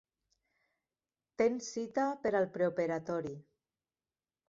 Tens cita per al preoperatori.